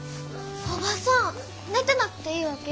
おばさん寝てなくていいわけ？